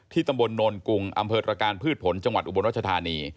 ตำบลโนนกุงอำเภอตรการพืชผลจังหวัดอุบลรัชธานี